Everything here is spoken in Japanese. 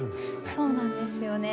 そうなんですよね。